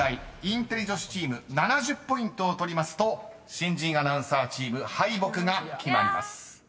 インテリ女子チーム７０ポイントを取りますと新人アナウンサーチーム敗北が決まります］